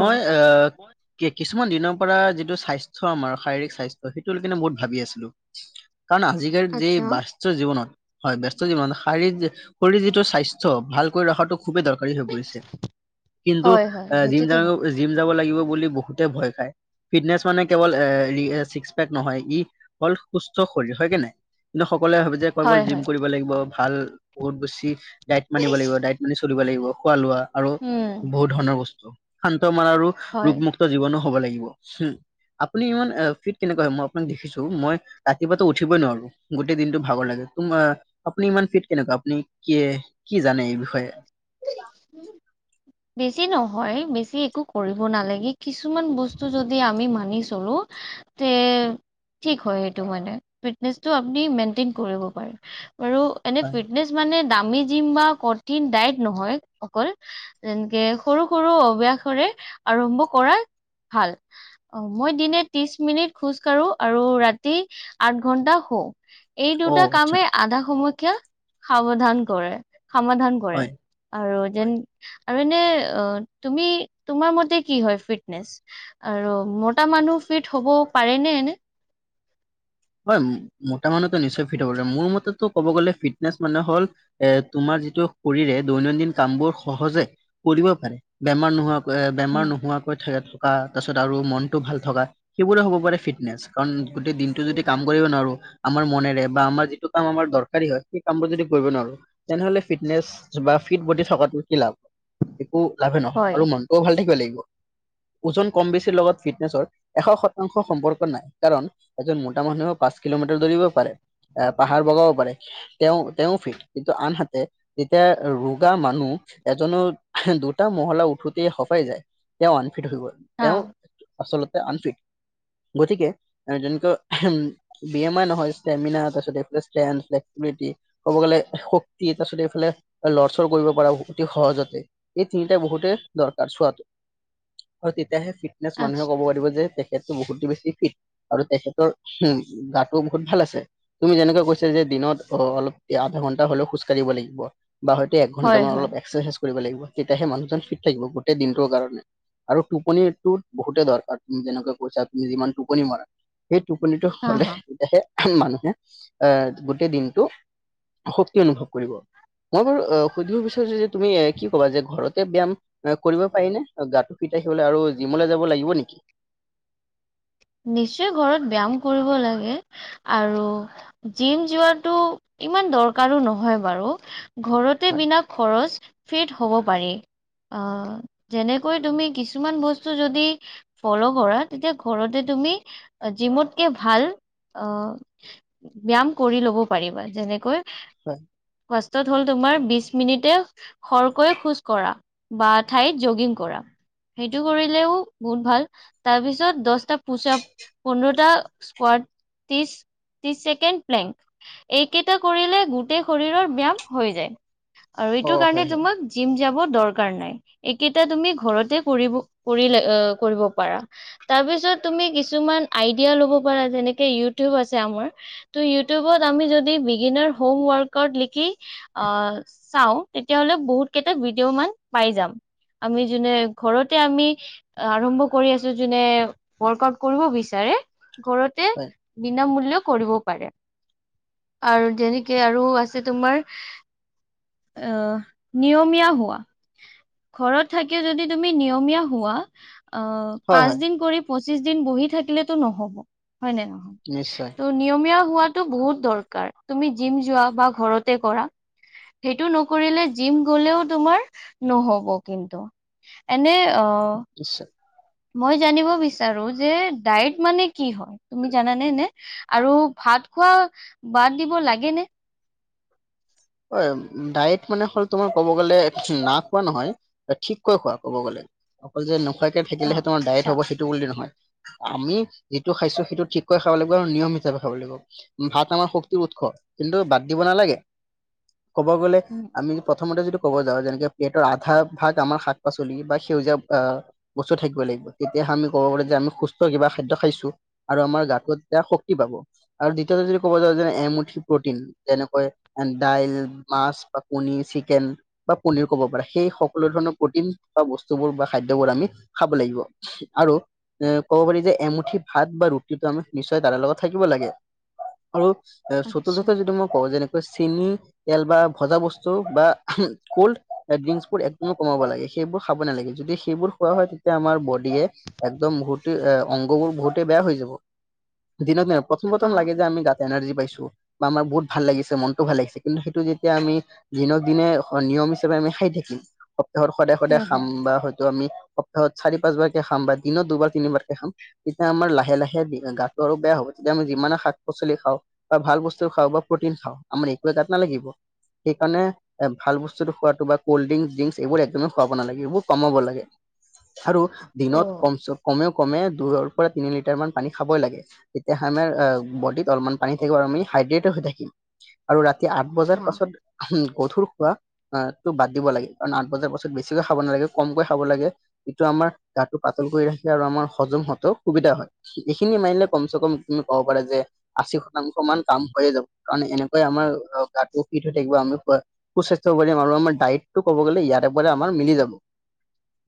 মই আ। কি কিছুমান দিনৰ পৰা যিটো স্বাস্থ্য আমাৰ শাৰীৰিক স্বাস্থ্য, সেইটো কিনে বহুত ভাবি আছিলোঁ। কাৰণ আজিকালি যি আচ্ছা। বা ব্যস্ত জীৱনত, হয়' ব‍্যস্ত জীৱনত শাৰীৰিক শৰীৰ যিটো স্বাস্থ্য ভালকৈ ৰখাটো খুবেই দৰকাৰী হৈ পৰিছে, কিন্তু হয়, হয়, জিম সেইটোতো হয়। যাম জিম যাব লাগিব বুলি বহুতে ভয় খায়। ফিটনেচ মানে কেৱল এ ছিকচ পেক নহয় ই হ'ল সুস্থ শৰীৰ, হয় কে নাই? কিন্তু, সকলোৱে ভাবে যে অকল হয়, জিম হয়, কৰিব লাগিব, ভাল বহুত বেছি ডায়েট মানিব লাগিব, ডায়েট মানি চলিব লাগিব খোৱা লোৱা। আৰু উম, বহুত ধৰণৰ বস্তু শান্ত মান আৰু হয়। ৰোগমুক্ত জীৱনো হ'ব লাগিব, উম'। আপুনি ইমান ফিট কেনেকুৱা হয়। মই আপোনাক দেখিছোঁ। মই ৰাতিপুৱাটো উঠিবই নোৱাৰোঁ। গোটেই দিনটো ভাগৰ লাগে, তোমা আপুনি ইমান ফিট কেনেকুৱা, আপুনি কি কি জানে এই বিষয়ে? [unintelligible] বেছি নহয়, বেছি একো কৰিব নালাগে। কিছুমান বস্তু যদি আমি মানি চলোঁ। উম। ঠিক হয় এইটো মানে, ফিটনেচটো আপুনি মেইনটেইন কৰিব পাৰে, আৰু এনে হয় ফিটনেচ মানে দামী জিম বা কঠিন ডায়েট নহয় অকল। তেনেকে সৰু সৰু অভ্যাসেৰে আৰম্ভ কৰা ভাল। অ' মই দিনে ত্ৰিশ মিনিট খোজকাঢ়ো আৰু ৰাতি আঠ ঘন্টা শু। এই অ দুটা আচ্ছা কামে আধা সমস্যা সাৱধান কৰে সমাধান। কৰে, হয়। আৰু যেন। আৰু এনে, অ' তুমি তোমাৰ মতে কি হয় ফিটনেচ? আৰু মতা মানুহ ফিট হ'ব পাৰে নে এনে? হয়, মতা মানুহটো নিশ্চয় ফিট হব লাগে। মোৰ মতে টো ক'ব গ'লে ফিটনেচ মানে হ'ল, এ তোমাৰ যিটো শৰীৰে দৈনন্দিন কামবোৰ সহজে কৰিব পাৰে। বেমাৰ নোহোৱাকৈ বেমাৰ উম। নোহোৱাকৈ থা তাৰপিছত আৰু মনটো ভাল থকা, সেইবোৰে হ'ব পাৰে ফিটনেচ, কাৰণ গোটেই দিনটো যদি কাম কৰিব নোৱাৰোঁ। আমাৰ মনেৰে বা আমাৰ যিটো কাম আমাৰ দৰকাৰী হয়। সেই কামটো যদি কৰিব নোৱাৰোঁ। তেনে হ'লে ফিটনেছ বা ফিট বডি থকাটো কি লাভ একো লাভে নহ'ব হয়। আৰু মন অ', ভাল থাকিব লাগিব। ওজন কম বেছিৰ লগত ফিটনেছৰ এশ শতাংশ সম্পৰ্ক নাই। কাৰণ এজন [unintelligible] মানুহে পাঁচ কিলোমিটাৰ দৌৰিব পাৰে এ, পাহাৰ বগাব পাৰে তেওঁ-তেওঁ ফিট, কিন্তু আনহাতে তেতিয়া ৰোগা মানুহ এজনৰ দুটা মহলা উঠোতে ফোপাই যায়। তেওঁ আনফিট হৈ গ'ল, হা। তেওঁ আচলতে আনফিট। গতিকে যেনেকা বি এম আই নহয় ষ্টেমিনাৰ তাৰপিছত ফ্লেক্সিবিলিটি ক'ব গ'লে শক্তি তাৰপিছতে এইফালে লৰচৰ কৰিব পাৰ অতি সহজতে এই তিনিটা বহুতে দৰকাৰ চোৱাটো, আৰু তেতিয়াহে ফিট ফিটনেছ আচ্ছা মানুহে ক'ব পাৰিব যে তেখেত বহুতেই বেছি ফিট। আৰু তেখেতৰ উম, গাটো বহুত ভাল আছে। তুমি যেনেকৈ কৈছা যে দিনত অ', অলপ এ আধা ঘণ্টা হলেও খোজ কাঢ়িব লাগিব। বা হয়তো এক হয় ঘণ্টামান হয় অলপ এক্সাৰচাইজ কৰিব লাগিব, তেতিয়াহে মানুহজন ফিট থাকিব গোটেই দিনটোৰ কাৰণে। আৰু টোপনিটো বহুতো দৰকাৰ, তুমি যেনেকৈ কৈছা তুমি যিমান টোপনি মৰা টোপনিত হা হা। হলেহে, মানুহে আহ গোটেই দিনটো শক্তি অনুভৱ কৰিব। মই বাৰু সুধিব বিচাৰিছো যে তুমি এ কি ক'বা যে ঘৰতে ব্যায়াম কৰিব পাৰি নে গাটো ফিট ৰাখিবলৈ আৰু জিমলৈ যাব লাগিব নেকি? নিশ্চয় ঘৰত ব্যয়াম কৰিব লাগে। আৰু জিম যোৱাটো ইমান দৰকাৰো নহয় বাৰু। ঘৰতে হয় বিনা খৰচ ফিট হ'ব পাৰি। অ', যেনেকৈ তুমি কিছুমান বস্তু যদি ফল' কৰা, তেতিয়া ঘৰতে তুমি জিমতকে ভাল আহ ব্যয়াম কৰি ল'ব পাৰিবা। যেনেকৈ হয়। ফাষ্টত হ'ল তোমাৰ বিশ মিনিটে খৰকৈ খোজ কঢ়া বা ঠাইত জগিং কৰা। সেইটো কৰিলেও বহুত ভাল, তাৰ পিছত দহটা পূচ আপ পোন্ধৰটা স্কোৱাড ত্ৰিশ ছেকেণ্ড প্লেংক। এইকেইটা কৰিলে গোটেই শৰীৰৰ ব্যায়াম হৈ যায়। আৰু অ এইটো কাৰণে হয় হয় তোমাক জিম যাব দৰকাৰ নাই, এইকেইটা তুমি ঘৰতে কৰিব কৰিলে কৰিব পাৰা। তাৰপিছত তুমি কিছুমান আইডিয়া ল'ব পাৰা, যেনেকে ইউটিউব আছে আমাৰ। ত' ইউটিউবত যদি আমি বিগিনাৰ হোম ৱৰ্ক আওত লিখি আহ চাওঁ, তেতিয়াহ'লে বহুত কেইটা ভিডিঅ' মান পাই যাম। আমি যোনে ঘৰতে আমি আৰম্ভ কৰি আছো, যোনে ৱৰ্ক আউট কৰিব বিচাৰে ঘৰতে হয় বিনামূল্যক কৰিব পাৰে, আৰু যেনেকে আৰু আছে তোমাৰ অ', নিয়মীয়া হোৱা। ঘৰত থাকিও যদি তুমি নিয়মীয়া হোৱা। আহ হয় হয় পাঁচ দিন কৰি পছিচ দিন বহি থাকিলেতো নহব, হয় নে নহয়? নিশ্চয়। ত' নিয়মীয়া হোৱাটো বহুত দৰকাৰ। তুমি জিম যোৱা বা ঘৰতে কৰা সেইটো নকৰিলে জিম গলেও তোমাৰ নহব কিন্তু। এনে অ' ইছ। মই জানিব বিচ চাৰো যে ডায়েট মানে কি হয়? তুমি জানানে নে আৰু ভাত খোৱা বাদ দিব লাগে নে? হয়। ডায়েট মানে হ'ল তোমাৰ ক'ব গলে, না খোৱা নহয়। ঠিককৈ খোৱা ক'ব গ'লে। অকল যে নোখোৱাকে থাকিলেহে তোমাৰ ডায়েট আচ্ছা হ'ব, সেইটো বুলি নহয়। আমি যিটো খাইছো, সেইটো ঠিককৈ খাব লাগিব, আৰু নিয়ম হিচাপে খাব লাগিব। ভাত আমাৰ শক্তিৰ উৎস। কিন্তু, বাদ দিব নালাগে। ক'ব গ'লে, উম আমি প্ৰথমতে যিটো ক'ব যাওঁ যেনেকে, প্লেটৰ আধা ভাগ আমাৰ শাক-পাচলি বা সেউজীয়া আ বস্তু থাকিব লাগিব, তেতিয়াহে আমি ক'ব পাৰোঁ যে আমি সুস্থ কিবা খাদ্য খাইছো। আৰু আমাৰ গাটোত তেতিয়া শক্তি পাব, আৰু দ্বিতীয়তে যদি কব যাওঁ যে এমুঠি প্ৰ'টিন যেনেকৈ দাইল, মাছ বা কনী, চিকেন বা পনীৰ ক'ব পাৰা, সেই সকলো ধৰণৰ প্ৰ'টিন বা বস্তুবোৰ বা খাদ্যবোৰ আমি খাব লাগিব। আৰু এ, ক'ব পাৰি যে এমুঠি ভাত বা ৰুটিটো, আমি নিশ্চয় দাইলৰ লগত থাকিব লাগে। আৰু এ, আচ্ছা চতুৰ্থতে, যদি মই কওঁ যেনেকৈ চেনি তেল বা ভজা বস্তু বা কোল্ড ড্ৰিংকচ বোৰ একদমেই কমাব লাগে। সেইবোৰ খাব নালাগে। যদি সেইবোৰ খোৱা হয় তেতিয়া আমাৰ বডিয়ে একদম বহুতে এ, অংগবোৰ বহুতে বেয়া হৈ যাব। দিনক দিনে প্ৰথম, হা প্ৰথম লাগে যে আমি গাত এনাৰ্জি পাইছোঁ বা আমাৰ বহুত ভাল লাগিছে, মনটো ভাল লাগিছে। কিন্তু, সেইটো যেতিয়া আমি দিনক দিনে হ নিয়ম হিচাপে আমি খাই থাকিম সপ্তাহত সদায়, সদায় হুম খাম হুম বা হয়তো আমি সপ্তাহত চাৰি, পাঁচ বাৰকে খাম বা দিনত দুবাৰ, তিনিবাৰকে খাম তেতিয়া আমাৰ লাহে লাহে দি গাটো আৰু বেয়া হ'ব, তেতিয়া আমি যিমানে শাক-পাচলি খাওঁ বা ভাল বস্তু খাওঁ বা প্ৰ'টিন খাওঁ, আমাৰ একোৱে গাত নালাগিব। সেইকাৰণে এ, ভাল বস্তুটো খোৱাতটো বা কল্ড ড্ৰিংক, ড্ৰীংকচ এইবোৰ একদমেই খুৱাব নালাগে, এইবোৰ কমাব লাগে। আৰু অ দিনত কমচে কমেও কমে দুৰৰ পৰা তিনি লিটাৰ মান পানী খাবই লাগে। তেতিয়া হা মানে এ, বডিত অলপমান পানী থাকিব, আৰু আমি হাইড্ৰেট হৈ থাকিম। আৰু ৰাতি আঠ বজাৰ হা পাছত গধুৰ খোৱা আ, টো বাদ দিব লাগে। কাৰণ আঠ বজাৰ পাছত বেছিকৈ খাব নালাগে, কমকৈ খাব লাগে। এইটো আমাৰ গাটো পাতল কৰি ৰাখে, আৰু আমাৰ হজম হওঁতেও সুবিধা হয়। এইখিনি মানিলে কমচে কম তুমি ক'ব পাৰা যে, আশী শতাংশ মান কাম হৈয়ে যাব। কাৰণ এনে কৈ আমাৰ অ, গাতটোও ফিট হৈ থাকিব। আমি খোৱা সুস্বাস্থ্য হ'ব পাৰিম, আৰু আমাৰ ডায়টটো কব গ'লে ইয়াৰে পৰা আমাৰ মিলি যাব।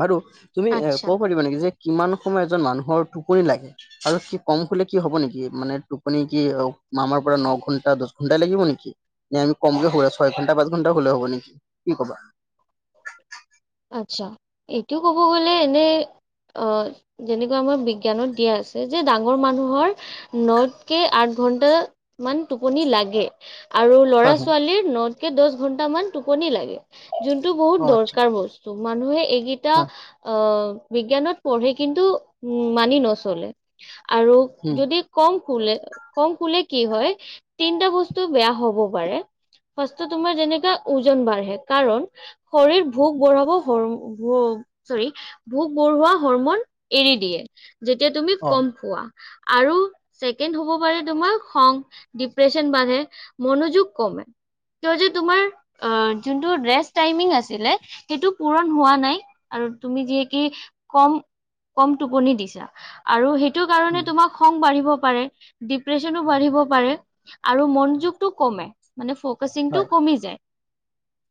বাৰু তুমি এ, আচ্ছা ক'ব পাৰিবা নেকি যে কিমান সময় মানুহৰ লাগে? আৰু কি কম শুলে কি হ'ব নেকি? মানে টোপনি কি অ, আমাৰ পৰা ন' ঘন্টা, দশ ঘ ঘণ্টাই লাগিব নেকি? নে আমি কমকে শুব লাগে? ছয় ঘণ্টা, পাঁচ ঘণ্টা শুলেও হ'ব নেকি? কি ক'বা? আচ্ছা। এইটো ক'ব গলে এনেই আ, যেনেকুৱা আমাৰ বিজ্ঞানত দিয়া আছে। যে ডাঙৰ মানুহৰ ন'তকে, আঠ ঘন্টা মান টোপনি লাগে। আৰু হয় হয় ল'ৰা-ছোৱালীৰ ন'তকে, দশ ঘন্টা মান টোপনি লাগে। যোনটো অ বহুত আচ্ছা দৰকাৰ। হ'ল মানুহে এই গেটা হয় আ বিজ্ঞানত পঢ়ে কিন্তু, উম, মানি নচলে আৰু উম যদি কম শুলে, কম শুলে কি হয়? তিনটা বস্তু বেয়া হ'ব পাৰে। ফাৰ্ষ্টটে তোমাৰ যেনেকা ওজন বাঢ়ে। কাৰণ শৰীৰ ভোগ বঢ়াব হৰ [unintelligible] চৰি ভোক বঢ়োৱা হৰমন এৰি দিয়ে, যেতিয়া তুমি অ কম শুৱা। আৰু ছেকেণ্ড হ'ব পাৰে তোমাৰ খং। ডিপ্ৰেচন বাঢ়ে, মনোযোগ কমে। তো যে তোমাৰ আ, যোনটো ৰেষ্ট টাইমিং আছিলে, সেইটো পুৰন হোৱা নাই। আৰু তুমি যিয়ে কি কম কম টোপনি দিছা। আৰু সেইটো কাৰণে উম তোমাক খং বাঢ়িব পাৰে, ডিপ্ৰেচনো বাঢ়িব পাৰে, আৰু মনোযোগটো কমে। মানে ফকাচিংটো হয় কমি যায়।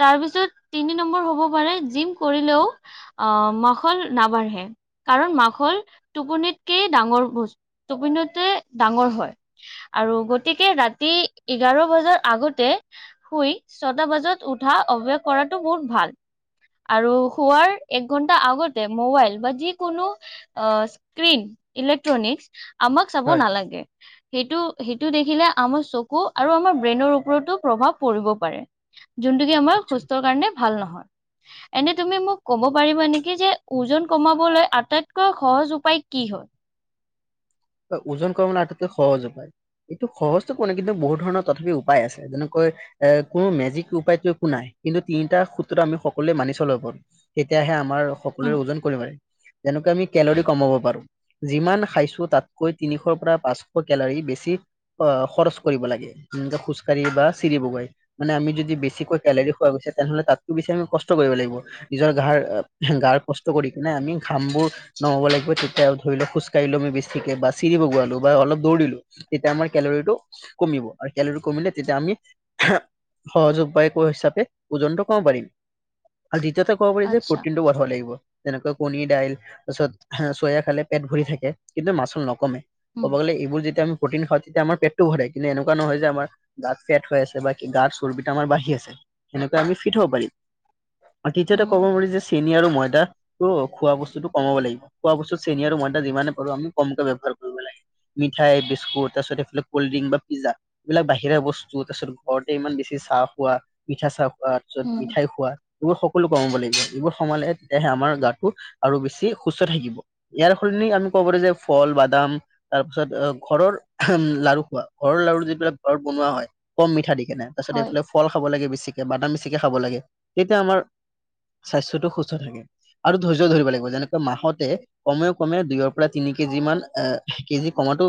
তাৰপিছত তিনি নম্বৰ হব পাৰে জিম কৰিলেও আহ মাখল নাবাঢ়ে। কাৰণ মাখল টোপনিতকেই ডাঙৰ বস্ত, টোপনিতে ডাঙৰ হয়। আৰু গতিকে ৰাতি এঘাৰ বজাৰ আগতে, শুই, ছটা বজাত উঠা অভ্যাস কৰাটো বহুত ভাল। আৰু শোৱাৰ এক ঘণ্টা আগতে মোবাইল বা যিকোনো আহ স্ক্ৰিন, ইলেক্ট্ৰনিক আমাক চাব হয় নালাগে। সেইটো সেইটো দেখিলে আমাৰ চকু আৰু আমাৰ ব্ৰেইনৰ ওপৰতো প্ৰভাৱ পৰিব পাৰে। যোনটো কি আমাৰ আচ্ছা। সুস্থৰ কাৰণে ভাল নহয়। এনে তুমি মোক কব পাৰিবা নেকি যে ওজন কমাবলৈ আটাইতকৈ সহজ উপায় কি হয়? ওজন কমাবলৈ আতাইতকৈ সহজ উপায়? এইটো সহজটো কোৱা নাই, কিন্তু বহুত ধৰণৰ তথাপি উপায় আছে। যেনেকৈ এ কোনো মেজিক উপায়তো একো নাই। কিন্তু তিনিটা সূত্ৰ আমি সকলোৱে মানি চলাব পাৰো। তেতিয়াহে আমাৰ সকলোৰে উম, ওজন কমিব পাৰে। যেনেকৈয়ে আমি কেলৰি কমাব পাৰো। যিমান খাইছো তাত কৈ তিনিশৰ পৰা পাঁচশ কেলাৰী বেছি অ' খৰচ কৰিব লাগে। যেনেকে খোজকাঢ়ি বা চিৰি বগাই। মানে আমি যদি বেছিকৈ কেলেৰী খোৱা গৈছে, তেনেহ'লে তাতকো বেছি আমি কষ্ট কৰিব লাগিব। নিজৰ ঘাৰ, গাৰ কষ্ট কৰি কেনে আমি ঘাম বোৰ, নমাব লাগিব তেতিয়াও ধৰিল খোজকাঢ়িলো আমি বেছিক বা চিৰি বগোৱালো বা অলপ দৌৰি দিলো, তেতিয়া আমাৰ কেলৰিটো কমিব। আৰু কেলেৰি কমিলে তেতিয়া আমি, সহজ উপায় হিচাপে ওজনটো কমাব পাৰিম। আৰু দ্বিতীয়তে ক'ব পাৰি যে আচ্ছা, পটিনটো ধৰ লাগিব। যেনেকৈ কণী দাইল, তাৰ পিছত চয়া খালে পেট ভৰি থাকে, কিন্তু মাচুল নকমে। উম, ক'ব গ'লে এইবোৰ যেতিয়া আমি প্ৰটিন খাওঁ তেতিয়া আমাৰ পেটটো ভৰে, কিন্তু এনেকুৱা নহয় আমাৰ গাত ফেট হৈ আছে বা গাত চৰ্বিতো আমাৰ বাঢ়ি আছে, সেনেকৈ আমি ফিট হব পাৰিম। তেতিয়াতো উম, ক'ব পাৰি যে চেনী আৰু ময়দা, ত' খোৱা বস্তুটো কমাব লাগিব। খোৱা বস্তু চেনি আৰু মইদা যিমানে পাৰো আমি কমকে ব্যৱহাৰ কৰিব লাগে। মিঠাই, বিস্কুত, তাৰপিছত এইফালে কল্ড্ৰিংক বা পিজ্জা। এইবিলাক বাহিৰা বস্তু। তাৰপিছত ঘৰতে ইমান বেছি চাহ খোৱা, মিঠা চাহ খোৱা, তাৰপিছত উম, মিঠাই খোৱা। এইবোৰ সকলো কমাব লাগিব। এইবোৰ কমালে তেতিয়াহে আমাৰ গাটো আৰু বেছি সুস্থ থাকিব। ইয়াৰ সলনি আমি ক'ব পাৰো যে ফল বা দাম তাৰ পিছত ঘৰৰ উম লাৰু খোৱা, ঘৰৰ লাৰু যিবিলাক ঘৰত বনোৱা হয়, কম মিঠা দি কেনে। তাৰপিছত হয়, এইফালে ফল খাব লাগে বেছিকে, বাদাম বেছিকে খাব লাগে, তেতিয়া আমাৰ স্বাস্থ্যটো সুস্থ থাকে। আৰু ধৈৰ্য ধৰিব লাগিব, যেনেকৈ মাহতে, কমেও কমে দুইৰ পৰা তিনি কেজি মান এ কেজি কমাটো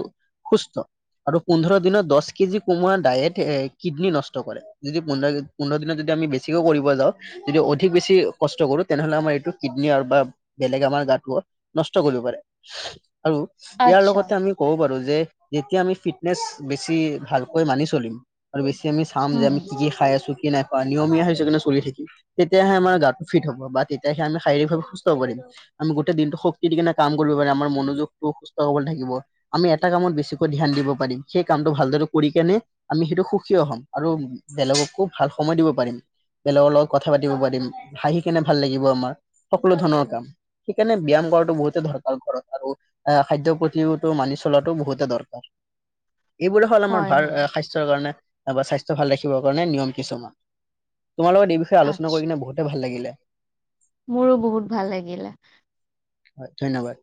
সুস্থ আৰু পোন্ধৰ দিনত দহ কেজি কোমোৰা ডায়েট এ কিডনী নষ্ট কৰে। যদি পোন্ধৰ-পোন্ধৰ দিনত যদি আমি বেছিকৈও কৰিব যাওঁ যদি অধিক বেছি কষ্ট কৰোঁ তেনেহ'লে আমাৰ এইটো কিডনী বা বেলেগ আমাৰ গাটোৱ নষ্ট কৰিব পাৰে আৰু ইয়াৰ আচ্ছা, লগতে আমি ক'ব পাৰোঁ যে যেতিয়া আমি ফিটনেচ বেছি ভালকৈ মানি চলিম। আৰু বেছি আমি চাম যে উম, আমি হম। কি-কি খাই আছোঁ কি নাই খোৱা নিয়মীয়া হৈছে কিন্তু চলি থাকিম। তেতিয়াহে আমাৰ গাটো ফিট হ'ব বা তেতিয়াহে আমি শাৰীৰিকভাৱে সুস্থ কৰিম। আমি গোটেই দিনটো শক্তি দি কিনে কাম কৰিব পাৰিম। আমাৰ মনোযোগটো সুস্থ সবল থাকিব। আমি এটা কামত বেছিকৈ ধ্যান দিব পাৰিম। সেই কামটো ভালদৰে কৰি কেনে আমি সেইটো সুখী হম আৰু বেলেগকো ভাল সময় দিব পাৰিম। বেলেগৰ লগত কথা পাতিব পাৰিম, হাঁহি কেনে ভাল লাগিব আমাৰ, সকলো ধৰণৰ কাম। সেইকাৰণে ব্যায়াম কৰাটো বহুতে দৰকাৰ ঘৰত আৰু। আহ খাদ্য প্ৰতিওটো মানি চলাটো বহুতে দৰকাৰ। এইবোৰে হ'ল আমাৰ হয়, ভাল হয়, আ সা স্বাস্থ্যৰ কাৰণে নাইবা স্বাস্থ্য ভাল ৰাখিবৰ কাৰণে নিয়ম কিছুমান। তোমাৰ লগত এই বিষয়ে আলোচনা আচ্ছা, কৰি কিনে বহুতে ভাল লাগিলে। মোৰো বহুত ভাল লাগিলে। হয়, ধন্যবাদ।